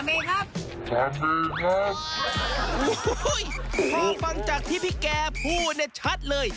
พอฟังจากที่พี่แกพูดเนี่ยชัดเลย